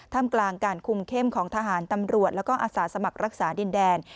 มกลางการคุมเข้มของทหารตำรวจแล้วก็อาสาสมัครรักษาดินแดน